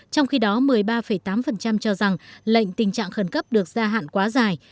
trong khi đó một mươi ba tám cho rằng lệnh tình trạng khẩn cấp được gia hạn quá dài